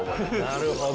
なるほど。